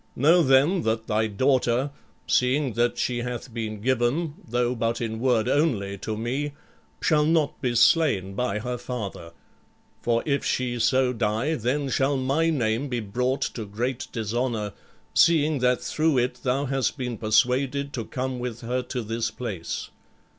Know, then, that thy daughter, seeing that she hath been given, though but in word only, to me, shall not be slain by her father. For if she so die, then shall my name be brought to great dishonor, seeing that through it thou hast been persuaded to come with her to this place.